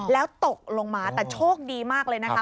แล้วตกลงมาแต่โชคดีมากเลยนะคะ